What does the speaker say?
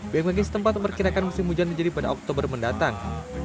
bmkg setempat memperkirakan musim hujan menjadi pada oktober mendatang